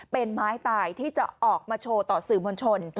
เป็นไม้ตายที่จะออกมาโชว์ต่อสื่อมวลชน